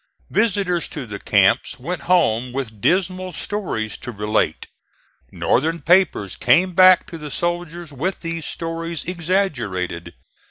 Visitors to the camps went home with dismal stories to relate; Northern papers came back to the soldiers with these stories exaggerated.